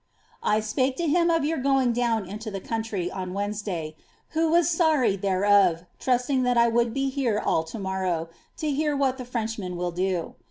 I spake to him of your going down into the country* on WerluvMlRV, who was sorry thereof, trusting that I would be here all to morrow, to hear vi.it the Frenchman will do.